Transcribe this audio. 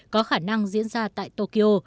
có khả năng diễn ra tại tokyo